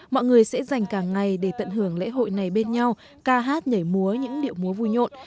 mọi người sẽ dành cả ngày để tận hưởng lễ hội này bên nhau ca hát nhảy múa những điệu múa vui nhộn